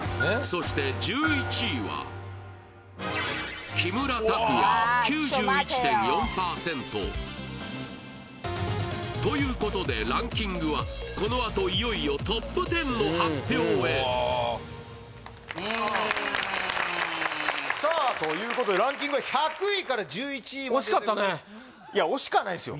そして１１位はということでランキングはこのあといよいよＴＯＰ１０の発表へうんさあということでランキングは１００位から１１位までいや惜しくはないですよ